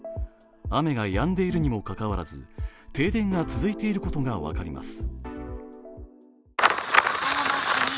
雨がやんでいるにもかかわらず停電が続いていることが分かります。